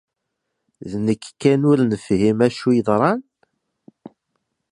D nekk kan ur nefhim acu yeḍran?